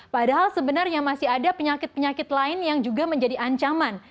padahal sebenarnya masih ada penyakit penyakit lain yang juga menjadi ancaman